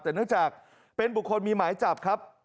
แต่เนื่องจากเป็นบุคคลมีหมายจับครับ